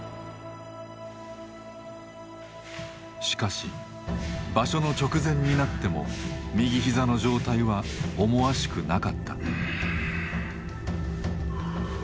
しかし場所の直前になっても右ひざの状態は思わしくなかった。